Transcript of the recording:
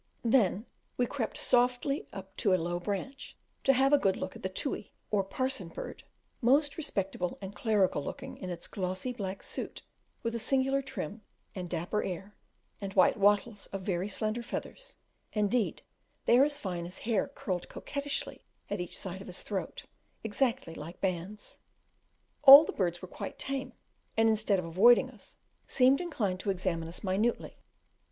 Then we crept softly up to a low branch, to have a good look at the Tui, or Parson bird, most respectable and clerical looking in its glossy black suit, with a singularly trim and dapper air, and white wattles of very slender feathers indeed they are as fine as hair curled coquettishly at each side of his throat, exactly like bands. All the birds were quite tame, and, instead of avoiding us, seemed inclined to examine us minutely.